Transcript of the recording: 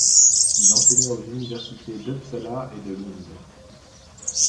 Il enseigna aux Universités d'Uppsala et de Lund.